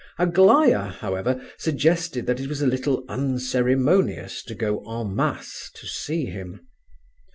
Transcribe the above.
Aglaya, however, suggested that it was a little unceremonious to go en masse to see him.